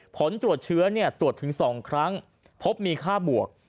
ผลตรวจเชื้อตรวจถึง๒ครั้งพบมีค่าบวก